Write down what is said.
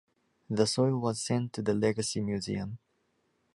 The soil was sent to The Legacy Museum.